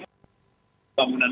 jadi hal yang penting